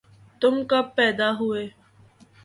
تم کب پیدا ہوئے